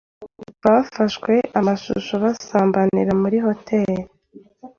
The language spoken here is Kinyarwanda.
Bafashwe amashusho basambanira muri hotel